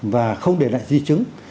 và không để lại di chứng